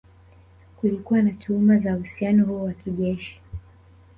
Kulikuwa na tuhuma za uhusiano huo wa kijeshi